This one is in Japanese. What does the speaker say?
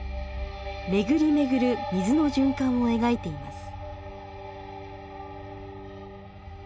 巡り巡る水の循環を描いています。